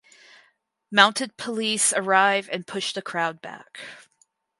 Mounted police arrive and push the crowd back.